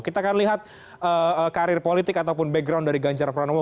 kita akan lihat karir politik ataupun background dari ganjar pranowo